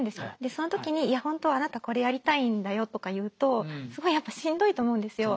その時に「いや本当はあなたこれやりたいんだよ」とか言うとすごいやっぱしんどいと思うんですよ。